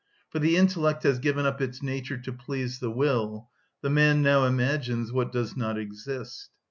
For the intellect has given up its nature to please the will: the man now imagines what does not exist.